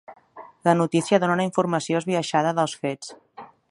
La notícia dona una informació esbiaixada dels fets.